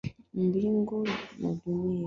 Mbuga nyingi ziko mbali na pwani ya Tanzania